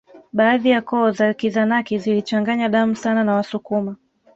Baadhi ya koo za Kizanaki zilichanganya damu sana na Wasukuma